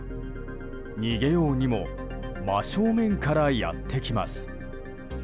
逃げようにも真正面からやってきます。